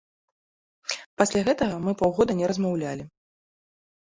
Пасля гэтага мы паўгода не размаўлялі.